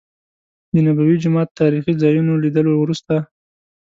د نبوي جومات تاريخي ځا يونو لیدلو وروسته.